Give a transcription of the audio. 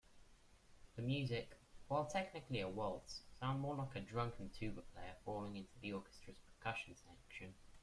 The music, while technically a waltz, sounded more like a drunken tuba player falling into the orchestra's percussion section.